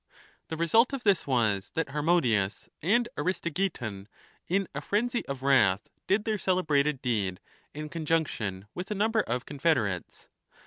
The result of this was that Harmodius and Aristogeiton, in a frenzy of wrath, did their celebrated deed, in conjunction with a number of confederates.